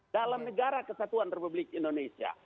dalam negara kesatuan republik indonesia